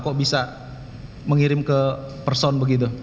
kok bisa mengirim ke person begitu